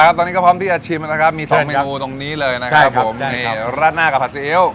ตอนนี้ก็พร้อมที่จะชิมนะครับมีสองเมนูตรงนี้เลยนะครับผมนี่ราดหน้ากับผัดซีอิ๊ว